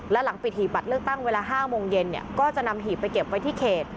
และหลังปิดหีบบัตรเลือกตั้งเวลา๕โมงเย็นก็จะนำหีบไปเก็บไว้ที่เขต